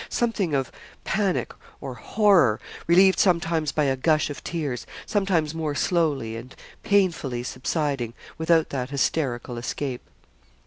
Something of panic or horror, relieved sometimes by a gush of tears sometimes more slowly and painfully subsiding without that hysterical escape.